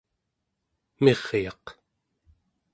miryaq